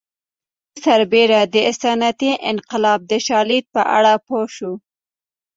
پر دې سربېره د صنعتي انقلاب د شالید په اړه پوه شو